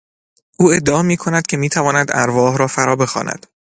او ادعا میکند که میتواند ارواح را فرا بخواند.